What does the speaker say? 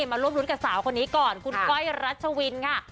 มาร่วมรุ้นกับสาวคนนี้ก่อนคุณก้อยรัชวินค่ะ